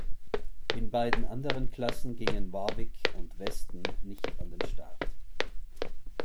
In beiden anderen Klassen gingen Warwick und Weston nicht an den Start.